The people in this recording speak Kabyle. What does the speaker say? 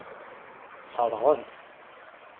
Seṛɣen.